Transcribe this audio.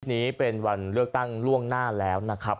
วันนี้เป็นวันเลือกตั้งล่วงหน้าแล้วนะครับ